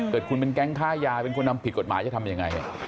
แต่คุณเป็นแก๊งฆ่ายาเป็นคนทำผิดกฎหมายจะทำอย่างไร